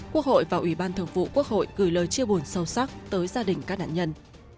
quốc hội và ủy ban thường vụ quốc hội gửi lời chia buồn sâu sắc tới gia đình các nạn nhân